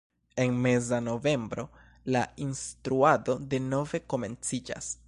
En meza novembro la instruado denove komenciĝas.